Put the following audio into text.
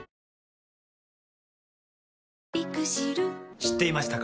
知っていましたか？